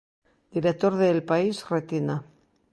Director de El País Retina.